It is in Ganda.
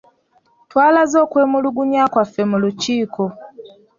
Twalaze okwemulugunya kwaffe mu lukiiko.